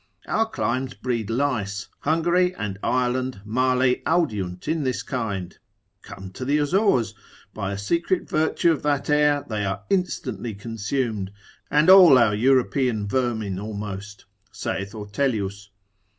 Our climes breed lice, Hungary and Ireland male audiunt in this kind; come to the Azores, by a secret virtue of that air they are instantly consumed, and all our European vermin almost, saith Ortelius.